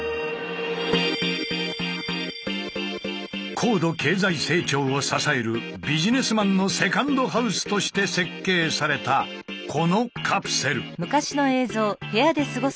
高度経済成長を支えるビジネスマンのセカンドハウスとして設計されたこのカプセル。